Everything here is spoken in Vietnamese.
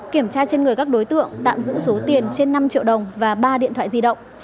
kiểm tra trên người các đối tượng tạm giữ số tiền trên năm triệu đồng và ba điện thoại di động